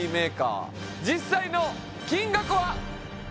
実際の金額は？